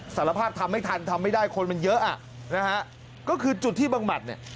สารภาพทำไม่ทันทำไม่ได้คนมันเยอะอ่ะนะฮะก็คือจุดที่บังหมัดเนี่ย